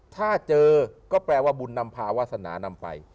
ถ้าเจอก็แปลว่าบุญนำพาวาสนานำไป